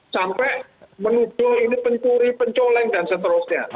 sampai menuduh ini pencuri pencoleng dan seterusnya